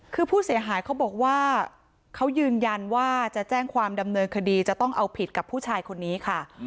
คือผู้เสียหายเขาบอกว่าเขายืนยันว่าจะแจ้งความดำเนินคดีจะต้องเอาผิดกับผู้ชายคนนี้ค่ะ